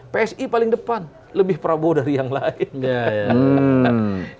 psi paling depan lebih prabowo dari yang lain gak ya